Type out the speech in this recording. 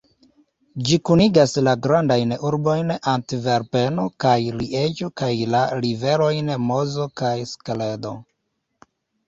Ĝi kunigas la grandajn urbojn Antverpeno kaj Lieĝo kaj la riverojn Mozo kaj Skeldo.